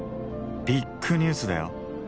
ビッグニュースだよ！